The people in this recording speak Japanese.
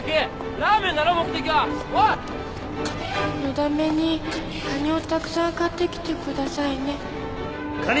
のだめにカニをたくさん買ってきてくださいねカニ！